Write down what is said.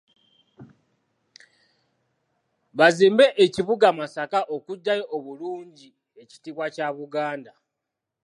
Bazimbe ekibuga Masaka ekiggyayo obulungi ekitiibwa kya Buganda.